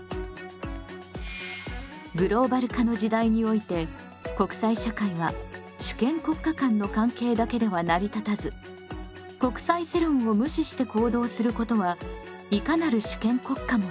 グローバル化の時代において国際社会は主権国家間の関係だけでは成り立たず国際世論を無視して行動することはいかなる主権国家もできません。